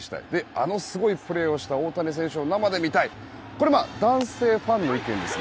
あのすごいプレーをした大谷選手を生で見たいというのはメキシコからの男性ファンの意見です。